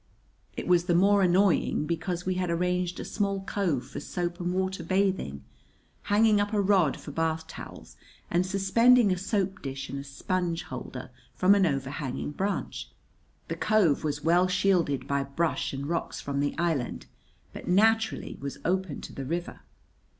It was the more annoying because we had arranged a small cove for soap and water bathing, hanging up a rod for bath towels and suspending a soap dish and a sponge holder from an overhanging branch. The cove was well shielded by brush and rocks from the island, but naturally was open to the river.